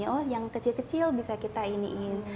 oh yang kecil kecil bisa kita iniin